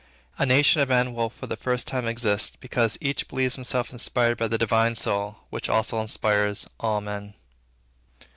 A nation of men will for the first time exist, because each believes himself inspired by the Divine Soul which also inspires all men.